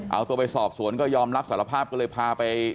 เอาตัวไปสอบสวนก็ยอมรับสารภาพก็เลยพาไป